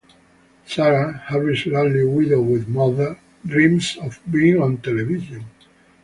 Sara, Harry's lonely widowed mother, dreams of being on television.